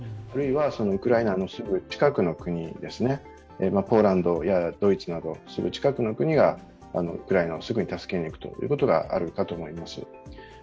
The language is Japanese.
あるいは、ウクライナのすぐ近くの国、ポーランドやドイツなどすぐ近くの国がウクライナをすぐに助けに行くということがあるかと思います。